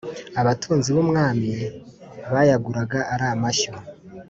Abatunzi b’umwami bayaguraga ari amashyo